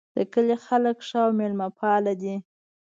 د کلي خلک ښه او میلمه پال دي